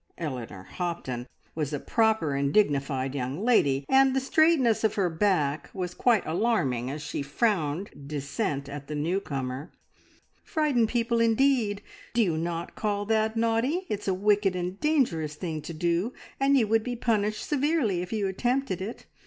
Eleanor Hopton was a proper and dignified young lady, and the straightness of her back was quite alarming as she frowned dissent at the new comer. "Frighten people, indeed! Do you not call that naughty? It's a wicked and dangerous thing to do, and you would be punished severely if you attempted it.